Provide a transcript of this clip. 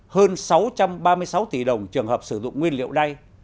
hơn sáu trăm ba mươi sáu tỷ đồng trường hợp sử dụng nguyên liệu đay